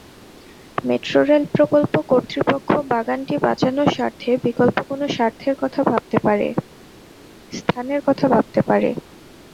Metro rail প্রকল্প কর্তৃপক্ষ বাগানটি বাঁচানোর স্বার্থে বিকল্প কোনো স্থানের কথা ভাবতে পারে।